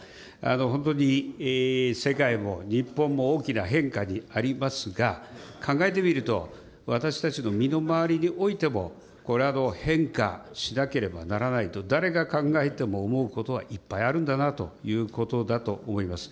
本当に世界も日本も大きな変化にありますが、考えてみると、私たちの身の回りにおいても変化しなければならないと誰が考えても思うことはいっぱいあるんだなということだと思います。